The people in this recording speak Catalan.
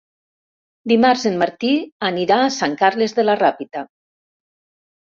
Dimarts en Martí anirà a Sant Carles de la Ràpita.